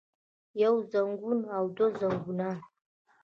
يو زنګون او دوه زنګونان